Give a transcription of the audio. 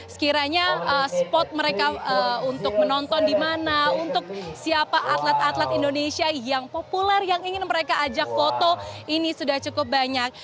sekiranya spot mereka untuk menonton di mana untuk siapa atlet atlet indonesia yang populer yang ingin mereka ajak foto ini sudah cukup banyak